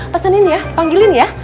pesenin yah panggilin yah